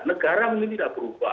negara mungkin tidak berubah